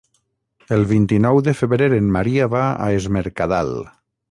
El vint-i-nou de febrer en Maria va a Es Mercadal.